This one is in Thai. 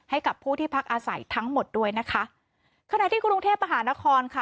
ให้กับผู้ที่พักอาศัยทั้งหมดด้วยนะคะขณะที่กรุงเทพมหานครค่ะ